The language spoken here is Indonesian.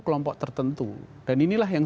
kelompok tertentu dan inilah yang